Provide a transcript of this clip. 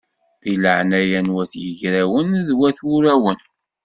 S leɛnaya n wat yigrawen d wat wurawen!